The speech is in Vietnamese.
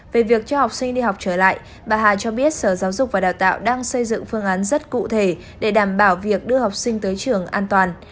về việc cho học sinh đi học trở lại bà hà cho biết sở giáo dục và đào tạo đang xây dựng phương án rất cụ thể để đảm bảo việc đưa học sinh tới trường an toàn